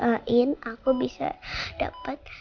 doain aku bisa dapat